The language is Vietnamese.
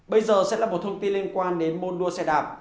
bây giờ sẽ là một thông tin liên quan đến môn đua xe đạp